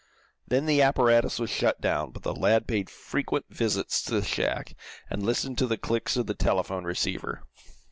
Then the apparatus was shut down, but the lad paid frequent visits to the shack, and listened to the clicks of the telephone receiver.